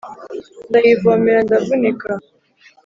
ndayivomera ndavunika !